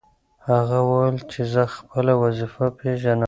هغه وویل چې زه خپله وظیفه پېژنم.